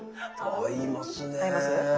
合います？